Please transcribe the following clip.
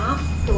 pek apa itu